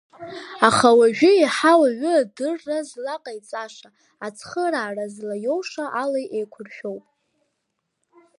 Аха уажәы еиҳа уаҩы адырра злаҟаиҵаша, ацхыраара злаиоуша ала еиқәыршәоуп.